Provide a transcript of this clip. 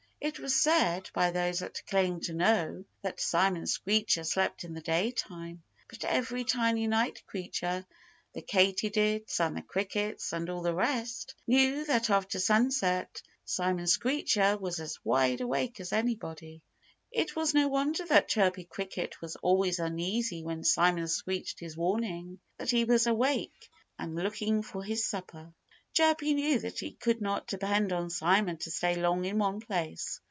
It was said by those that claimed to know that Simon Screecher slept in the daytime. But every tiny night creature the Katydids and the Crickets and all the rest knew that after sunset Simon Screecher was as wide awake as anybody. It was no wonder that Chirpy Cricket was always uneasy when Simon screeched his warning that he was awake and looking for his supper. Chirpy knew that he could not depend on Simon to stay long in one place.